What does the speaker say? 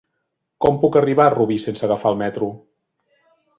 Com puc arribar a Rubí sense agafar el metro?